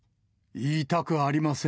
言いたくありません。